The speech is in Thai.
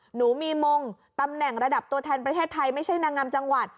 หนูมีมงตำแหน่งระดับตัวแทนประเทศไทยไม่ใช่นางงามจังหวัด